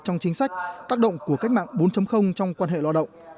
trong chính sách tác động của cách mạng bốn trong quan hệ lao động